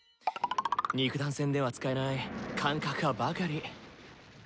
肉弾戦では使えない感覚派ばかり！